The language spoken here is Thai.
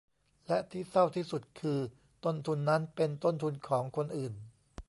และที่เศร้าที่สุดคือ ต้นทุนนั้นเป็นต้นทุนของคนอื่น